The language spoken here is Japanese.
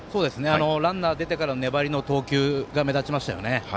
ランナー出てから粘りの投球が目立ちましたね。